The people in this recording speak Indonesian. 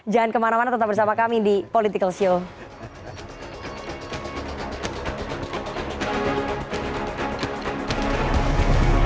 jangan kemana mana tetap bersama kami di political show